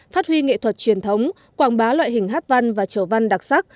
phát huy nghệ thuật truyền thống quảng bá loại hình hát văn và chầu văn đặc sắc